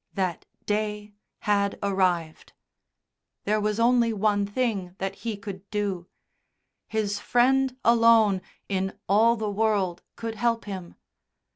That day had arrived. There was only one thing that he could do; his Friend alone in all the world could help him.